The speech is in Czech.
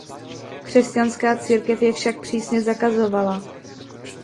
Křesťanská církev je však přísně zakazovala.